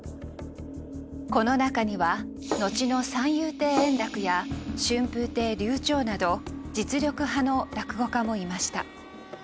この中には後の三遊亭圓楽や春風亭柳朝など実力派の落語家もいました。